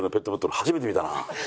初めて見たな。